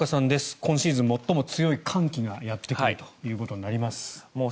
今シーズン最も強い寒気がやってくるということになります。